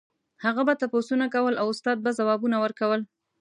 هغه به تپوسونه کول او استاد به ځوابونه ورکول.